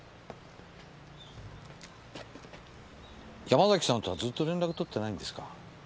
山崎さんとはずっと連絡取ってないんですか？